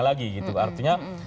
lagi gitu artinya